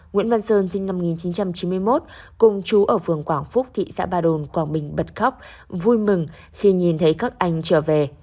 nguyễn văn sơn sinh năm một nghìn chín trăm chín mươi một cùng chú ở phường quảng phúc thị xã ba đồn quảng bình bật khóc vui mừng khi nhìn thấy các anh trở về